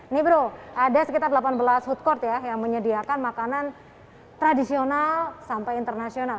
nih bro ada sekitar delapan belas food court ya yang menyediakan makanan tradisional sampai internasional